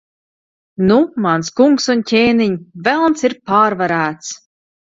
Nu, mans kungs un ķēniņ, Velns ir pārvarēts.